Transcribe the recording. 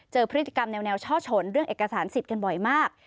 พฤติกรรมแนวช่อชนเรื่องเอกสารสิทธิ์กันบ่อยมาก